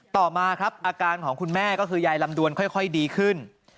ต่อมาครับอาการของคุณแม่ก็คือยายลำดวนค่อยดีขึ้น